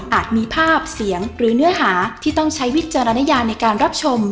มีภาพเสียงหรือเนื้อหาที่ต้องใช้วิจารณญาในการรับชม